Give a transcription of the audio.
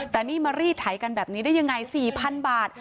แต่นี่มารีดไถกันแบบนี้ได้ยังไง๔๐๐๐บาท